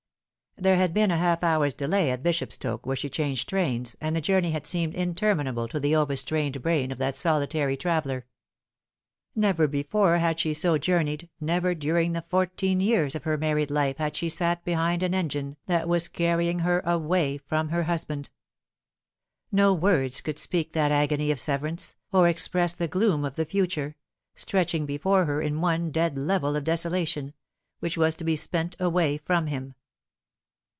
There had been half an hour's delay at Bishop stoke, where she changed trains, and the journey had seemed interminable to the over strained brain of that solitary travel ler. Never before had she so journeyed, never during the 152 The Fatal Three. fourteen years of her married life had she sat behind an engine that was carrying her away from her husband. No words could speak that agony of severance, or express the gloom of the future stretching before her in one dead level of desola tion which was to be spent away from him.